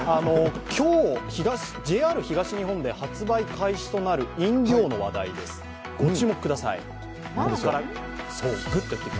今日、ＪＲ東日本で発売開始となる飲料の話題です、ご注目ください。